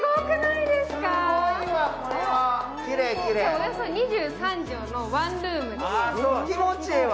およそ２３畳のワンルームです。